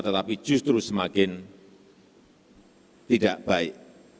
tetapi justru semakin tidak baik